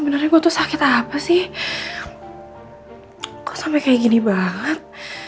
bener gue tuh sakit apa sih kok sampai kayak gini banget